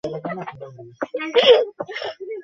বিদ্যা একবার এ পুরস্কারের জন্য মনোনীত হয়েছিলেন।